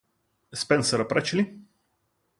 Спенсера прочли?